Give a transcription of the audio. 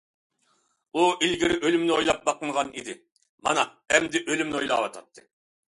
ئۇ ئىلگىرى ئۆلۈمنى ئويلاپ باقمىغان، مانا ئەمدى ئۆلۈمنى ئويلاۋاتاتتى.